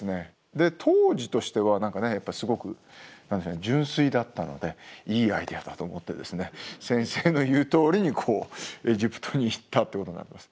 で当時としてはすごく純粋だったのでいいアイデアだと思ってですね先生の言うとおりにエジプトに行ったということになります。